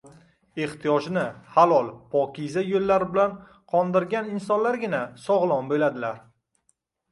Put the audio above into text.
Ehtiyojni halol-pokiza yo‘llar bilan qondirgan insonlargina sog‘lom bo‘ladilar.